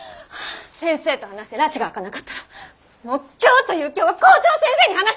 先生と話してらちが明かなかったらもう今日という今日は校長先生に話します！